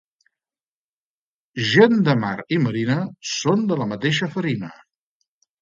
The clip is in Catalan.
Gent de mar i marina són de la mateixa farina.